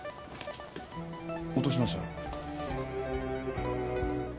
落としましたよ。